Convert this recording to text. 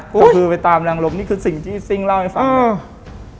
ก็คือไปตามนางลมนี่คือสิ่งที่ซิ่งเล่าให้ฟัง